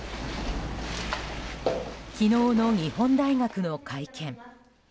昨日の日本大学の会見。